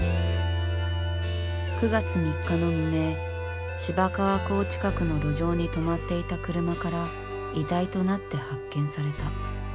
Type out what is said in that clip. ９月３日の未明芝河港近くの路上に止まっていた車から遺体となって発見された。